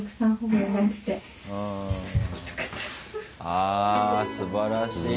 あぁすばらしい。